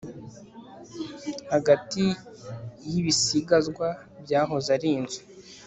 Hagati yibisigazwa byahoze ari inzu